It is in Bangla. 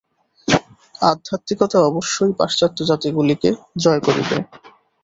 আধ্যাত্মিকতা অবশ্যই পাশ্চাত্যজাতিগুলিকে জয় করিবে।